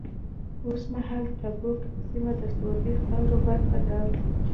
اوس مهال تبوک سیمه د سعودي خاورې برخه ده.